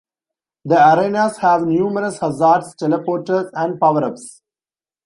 The arenas have numerous hazards, teleporters and power-ups.